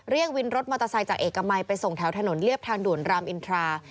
วินรถมอเตอร์ไซค์จากเอกมัยไปส่งแถวถนนเรียบทางด่วนรามอินทรา